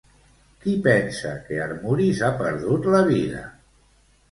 Qui pensa que Armuris ha perdut la vida?